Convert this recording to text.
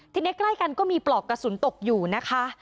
ทีนี้ใกล้กันก็มีปลอกกระสุนตกอยู่นะคะ